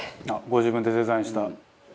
ご自分でデザインした」